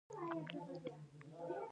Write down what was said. زه له درناوي سره سلام کوم.